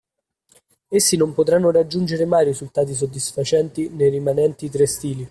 Essi non potranno raggiungere mai risultati soddisfacenti nei rimanenti tre stili.